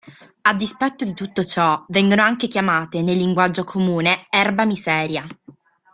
A dispetto di tutto ciò, vengono anche chiamate, nel linguaggio comune, erba miseria.